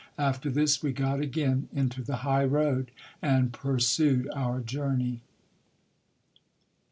After this, we got again into the high road, and pursued our journey.